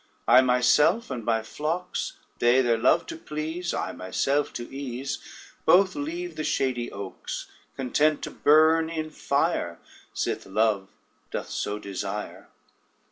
I myself And my flocks, They their love to please, I myself to ease, Both leave the shady oaks; Content to burn in fire, Sith Love doth so desire.